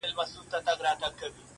سل وعدې مو هسې د اوبو پر سر کرلې وې٫